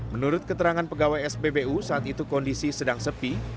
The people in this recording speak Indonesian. menurut keterangan pegawai spbu saat itu kondisi sedang sepi